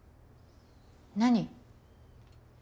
何？